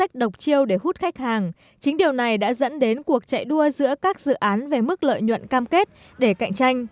cách đọc chiêu để hút khách hàng chính điều này đã dẫn đến cuộc chạy đua giữa các dự án về mức lợi nhuận cam kết để cạnh tranh